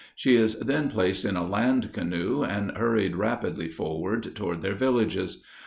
She is then placed in a "land canoe" and hurried rapidly forward toward their villages.